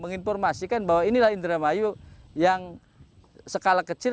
menginformasikan bahwa inilah indramayu yang skala kecil